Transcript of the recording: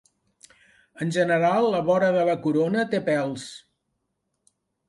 En general la vora de la corona té pèls.